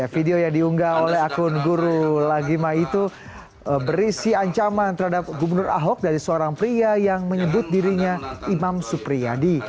video yang diunggah oleh akun guru lagima itu berisi ancaman terhadap gubernur ahok dari seorang pria yang menyebut dirinya imam supriyadi